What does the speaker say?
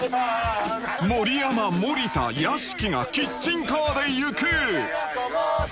盛山森田屋敷がキッチンカーで行く！